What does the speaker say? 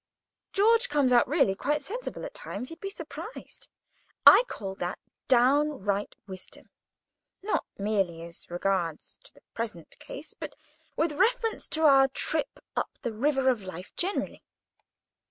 George comes out really quite sensible at times. You'd be surprised. I call that downright wisdom, not merely as regards the present case, but with reference to our trip up the river of life, generally.